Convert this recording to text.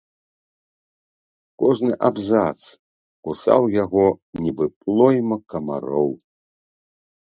Кожны абзац кусаў яго, нібы плойма камароў.